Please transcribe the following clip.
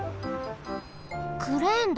クレーンだ。